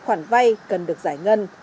khoản vai cần được giải ngân